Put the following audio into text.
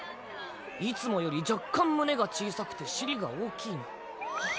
いつもより若干胸が小さくて尻が大きいな。